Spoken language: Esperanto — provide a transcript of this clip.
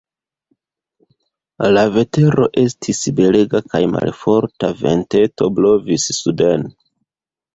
La vetero estis belega kaj malforta venteto blovis suden.